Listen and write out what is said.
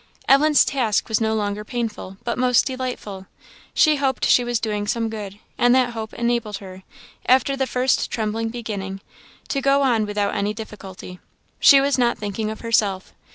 Ellen's task was no longer painful, but most delightful. She hoped she was doing some good; and that hope enabled her, after the first trembling beginning, to go on without any difficulty. She was not thinking of herself.